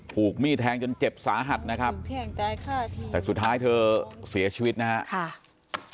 ถูกมีดแทงจนเจ็บสาหัสนะครับแต่สุดท้ายเธอเสียชีวิตนะครับ